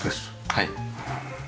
はい。